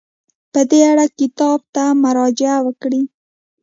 په دې اړه کتاب ته مراجعه وکړئ.